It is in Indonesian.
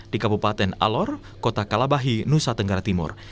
di kabupaten alor kota kalabahi nusa tenggara timur